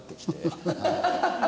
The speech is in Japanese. ハハハハ！